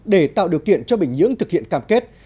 để tạo điều kiện cho bình nhưỡng thực hiện cam kết